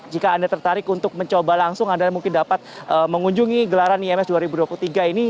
jika anda tertarik untuk mencoba langsung anda mungkin dapat mengunjungi gelaran ims dua ribu dua puluh tiga ini